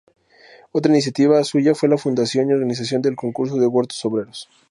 Otra iniciativa suya fue la fundación y organización del "Concurso de Huertos Obreros".